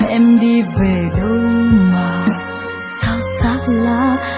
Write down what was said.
em đi về đâu mà sao xa lạc